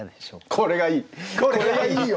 これがいいよ！